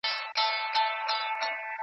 عدالت به خامخا ټینګېږي.